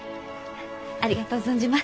ありがとう存じます。